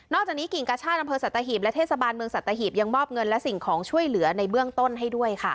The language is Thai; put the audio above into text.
จากนี้กิ่งกาชาติอำเภอสัตหีบและเทศบาลเมืองสัตหีบยังมอบเงินและสิ่งของช่วยเหลือในเบื้องต้นให้ด้วยค่ะ